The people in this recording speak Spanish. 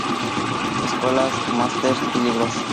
Escuelas, masters y libros.